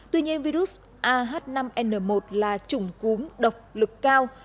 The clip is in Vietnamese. tuy nhiên virus ah năm n một là chủng cúm độc lực cao